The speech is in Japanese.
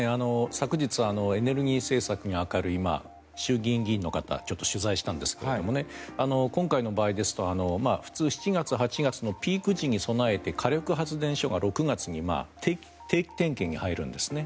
昨日はエネルギー政策に明るい衆議院議員の方に取材をしたんですが今回の場合ですと普通７月、８月のピーク時に備えて火力発電所が６月に定期点検に入るんですね。